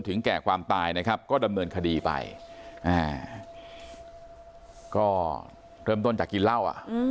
แก่ความตายนะครับก็ดำเนินคดีไปก็เริ่มต้นจากกินเหล้าอ่ะ